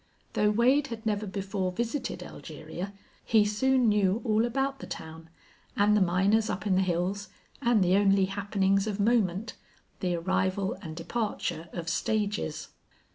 Though Wade had never before visited Elgeria, he soon knew all about the town, and the miners up in the hills, and the only happenings of moment the arrival and departure of stages.